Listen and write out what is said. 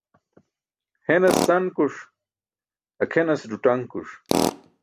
Henas sankuṣ, akʰenas ḍuṭaṅkuṣ.